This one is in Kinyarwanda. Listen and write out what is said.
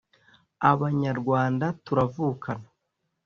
’’Abanyarwanda turavukana